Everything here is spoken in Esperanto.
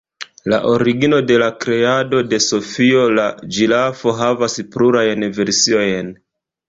La origino de la kreado de "Sofio la ĝirafo" havas plurajn versiojn.